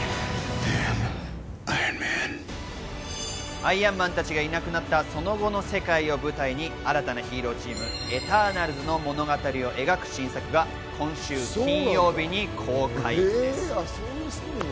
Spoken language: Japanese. アイアンマンたちがいなくなったその後の世界を舞台に新たなヒーローチーム「エターナルズ」の物語を描く新作が今週金曜日に公開です。